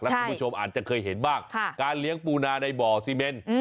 คุณผู้ชมอาจจะเคยเห็นบ้างการเลี้ยงปูนาในบ่อซีเมน